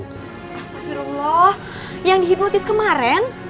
astagfirullah yang dihidrotis kemaren